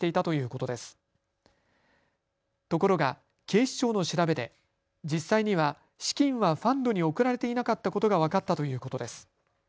ところが警視庁の調べで実際には資金はファンドに送られていなかったことが分かったということです。